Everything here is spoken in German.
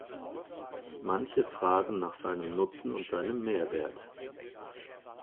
Manche fragen nach seinem Nutzen und seinem Mehrwert.